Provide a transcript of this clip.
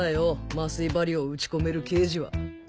麻酔針を撃ち込める刑事は